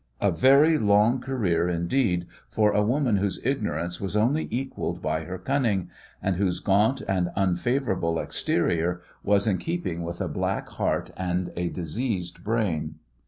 A very long career, indeed, for a woman whose ignorance was only equalled by her cunning, and whose gaunt and unfavourable exterior was in keeping with a black heart and a diseased brain.